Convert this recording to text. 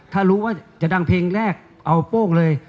ถ้ารู้ว่าจะดังเพลงแรกเอาโป้งเลย